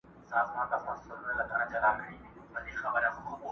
د مال، عزت او د سرونو لوټماران به نه وي!